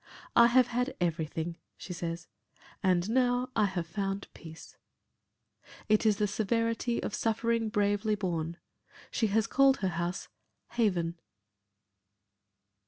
"I have had everything," she says, "and now I have found peace." It is the severity of suffering bravely borne. She has called her house "Haven."